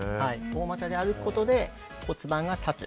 大股で歩くことで骨盤が立つ。